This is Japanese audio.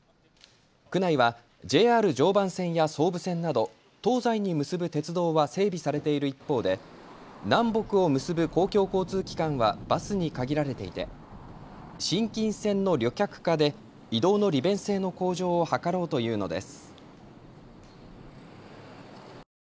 区内はＪＲ常磐線や総武線など東西に結ぶ鉄道は整備されている一方で南北を結ぶ公共交通機関はバスに限られていて新金線の旅客化で移動の利便性の向上を図ろうというのです。